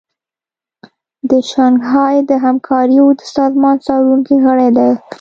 د شانګهای د همکاریو د سازمان څارونکی غړی دی